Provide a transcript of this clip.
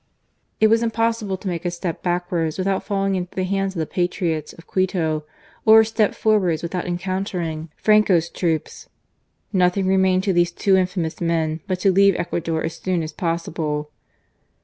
It was impossible to make a step back wards without falling into the hands of the patriots of Quito, or a step forwards without encountering 8o GARCIA MORENO. Franco's troops. Nothing remained to these two infamous men but to leave Ecuador as soon as possible.